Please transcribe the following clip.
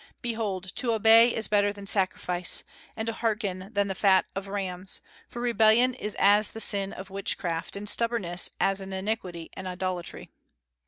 Behold, to obey is better than sacrifice, and to hearken than the fat of rams, for rebellion is as the sin of witchcraft, and stubbornness as an iniquity and idolatry."